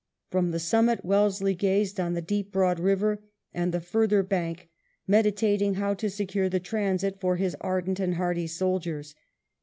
From the summit Wellesley gazed on the deep broad river and the further bank, meditating how to secure the transit for his ardent and hardy soldiers.